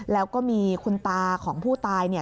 แล้วก็มีคุณตาของผู้ตายเนี่ย